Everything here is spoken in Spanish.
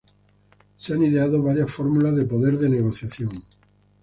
Se han ideado varias fórmulas de poder de negociación.